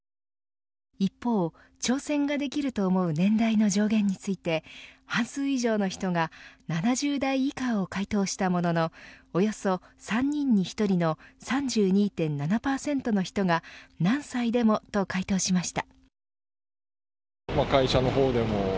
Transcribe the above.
一方、挑戦ができると思う年代の上限について半数以上の人が７０代以下を回答したもののおよそ３人に１人の３２．７％の人が何歳でもと回答しました。